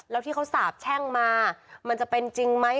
แล้วที่เขาสาบแช่งมามันจะเป็นจริงไหม